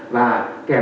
và kèm thêm